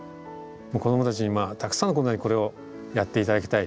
子供たちにたくさんの子供にこれをやって頂きたい。